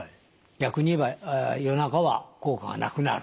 逆に言えば夜中は効果がなくなるというものです。